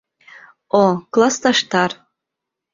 — О, класташтар.